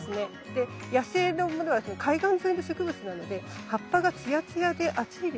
で野生のものは海岸沿いの植物なので葉っぱがツヤツヤで厚いでしょう？